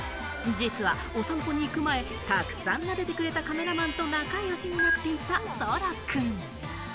実はお散歩に行く前、たくさんなでてくれたカメラマンと仲良しになっていた空くん。